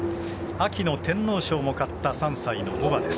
秋の天皇賞も勝った３歳の牡馬です。